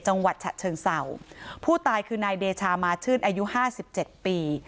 จังหวัดฉะเชิงเศร้าผู้ตายคือนายเดชามาชื่นอายุห้าสิบเจ็ดปี